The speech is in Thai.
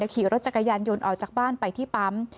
ขี่รถจักรยานยนต์ออกจากบ้านไปที่ปั๊ม